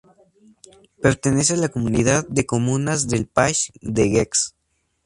Pertenece a la comunidad de comunas del Pays de Gex.